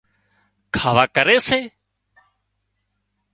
کاوا ڪري سي